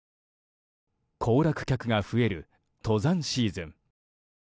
行楽客が増える登山シーズン。